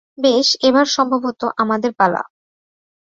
বেশ, এবার সম্ভবত আমাদের পালা।